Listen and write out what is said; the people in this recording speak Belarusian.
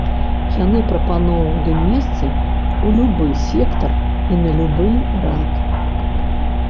Яны прапаноўвалі месцы ў любы сектар і на любы рад.